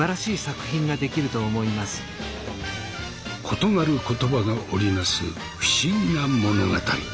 異なる言葉が織り成す不思議な物語。